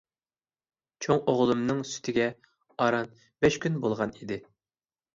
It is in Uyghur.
چوڭ ئوغلۇمنىڭ سۈتىگە ئاران بەش كۈن بولغان ئىدى.